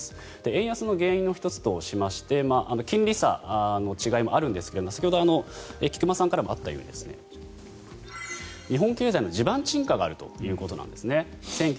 円安の原因の１つとしまして金利差の違いもあるんですが先ほど菊間さんからもあったように日本経済の地盤沈下があるということなんですね。